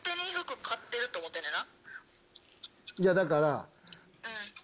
いやだから。